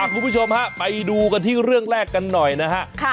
คุณผู้ชมฮะไปดูกันที่เรื่องแรกกันหน่อยนะฮะ